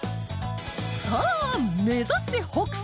さあ目指せ北斎！